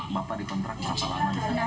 bapak dikontrak berapa lama